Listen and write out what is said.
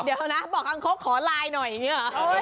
เดี๋ยวนะบอกคังคกขอไลน์หน่อยอย่างนี้หรอ